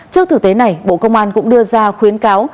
trước thực tế này bộ công an cũng đưa ra khuyến cáo